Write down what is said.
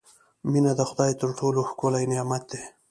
• مینه د خدای تر ټولو ښکلی نعمت دی.